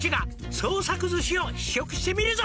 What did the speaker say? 「創作寿司を試食してみるぞ」